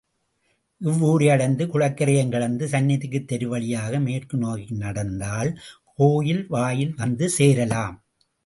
இவ்வூரையடைந்து, குளக்கரையையும் கடந்து, சந்நிதித் தெரு வழியாக மேற்கு நோக்கி நடந்தால் கோயில் வாயில் வந்து சேரலாம்.